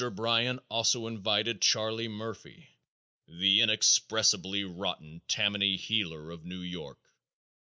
Bryan also invited Charley Murphy, the inexpressibly rotten Tammany heeler of New York.